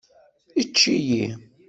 Ečč-iyi!